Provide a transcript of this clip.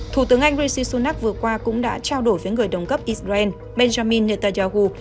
thủ tướng anh rishi sunak vừa qua cũng đã trao đổi với người đồng cấp israel benjamin netanyahu